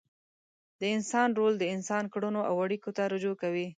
د انسان رول د انسان کړنو او اړیکو ته رجوع کوي.